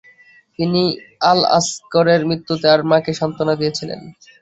তিনি আলী আল-আসগরের মৃত্যুতে তার মাকে সান্ত্বনা দিয়েছিলেন।